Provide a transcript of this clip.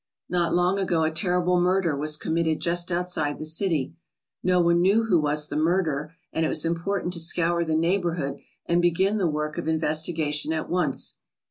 Not long ago a terrible murder was committed just outside the city. No one knew who was the murderer and it was impor tant to scour the neighbourhood and begin the work of investigation at once.